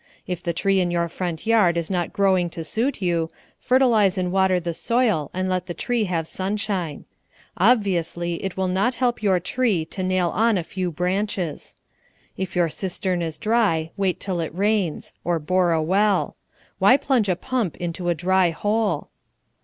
If the tree in your front yard is not growing to suit you, fertilize and water the soil and let the tree have sunshine. Obviously it will not help your tree to nail on a few branches. If your cistern is dry, wait until it rains; or bore a well. Why plunge a pump into a dry hole?